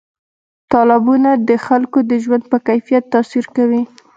تالابونه د خلکو د ژوند په کیفیت تاثیر کوي.